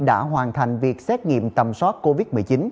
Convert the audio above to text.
đã hoàn thành việc xét nghiệm tầm soát covid một mươi chín